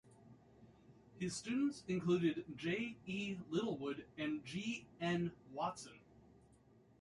His students included J. E. Littlewood and G. N. Watson.